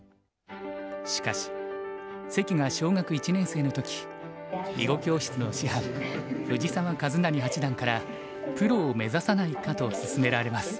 しかし関が小学１年生の時囲碁教室の師範藤澤一就八段からプロを目指さないかと勧められます。